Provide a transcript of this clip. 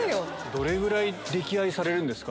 どれぐらい溺愛されるんですか？